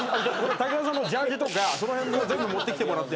竹山さんのジャージーとかその辺全部持ってきてもらって。